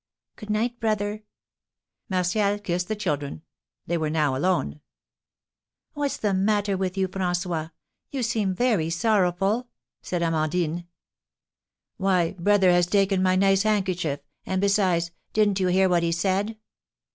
"Good night, brother!" Martial kissed the children. They were now alone. "What's the matter with you, François, you seem very sorrowful!" said Amandine. "Why, brother has taken my nice handkerchief; and besides, didn't you hear what he said?"